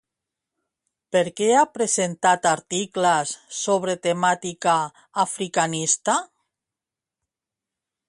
Per què ha presentat articles sobre temàtica africanista?